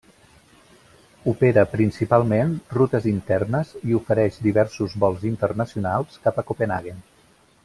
Opera principalment rutes internes i ofereix diversos vols internacionals cap a Copenhaguen.